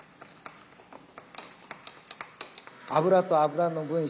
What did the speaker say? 油と油の分子を。